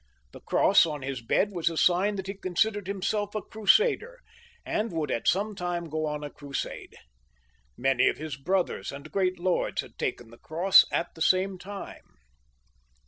The cross on his bed was a sign that he considered himself a Crusader, and would at some time go on a Crusade. Many of his brothers and great lords had taken the cross at the same time.